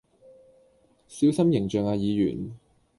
小心形象呀議員